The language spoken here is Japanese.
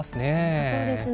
本当、そうですね。